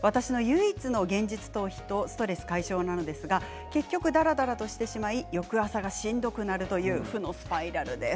私の唯一の現実逃避と、ストレス解消なのですが結局だらだらとしてしまい翌朝がしんどくなるという負のスパイラルです。